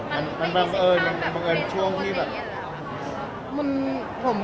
มันไม่มีสิ่งข้างแบบเป็นคนในเรียนแล้ว